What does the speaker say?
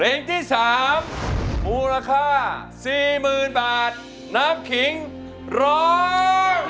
เพลงที่๓มูลค่า๔๐๐๐บาทน้ำขิงร้อง